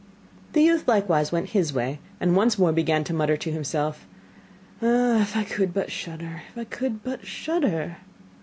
The youth likewise went his way, and once more began to mutter to himself: 'Ah, if I could but shudder! Ah, if I could but shudder!